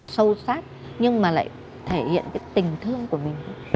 sâu sát nhưng mà lại thể hiện cái tình thương của mình